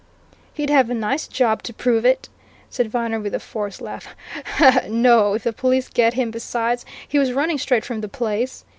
"He'd have a nice job to prove it!" said Viner with a forced laugh. "No, if the police get him besides, he was running straight from the place!